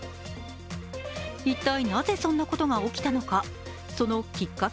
一体なぜそんなことが起きたのか。